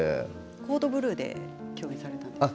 「コード・ブルー」で共演されたんですよね